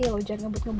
iya udah sini